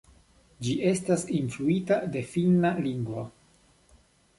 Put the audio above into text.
Ĝi estas influita de finna lingvo.